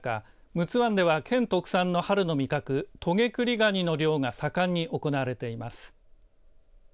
陸奥湾では県特産の春の味覚トゲクリガニの漁が盛んに行われています。